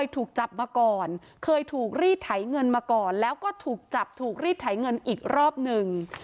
ถูกรีดไถ่เงินอีกรอบหนึ่ง